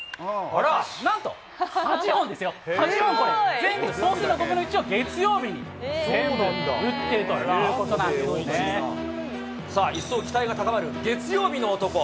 なんと８本ですよ、８本全部、総数の５分の１を月曜日に全部打ってるということなんさあ、一層期待が高まる月曜日の男。